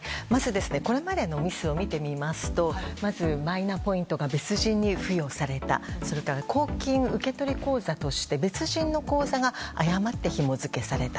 これまでのミスを見てみますとまずマイナポイントが別人に付与されたそれから公金受取口座として別人の口座が誤ってひも付けされた。